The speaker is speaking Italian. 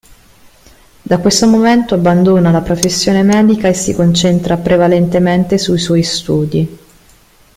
Da questo momento abbandona la professione medica e si concentra prevalentemente sui suoi studi.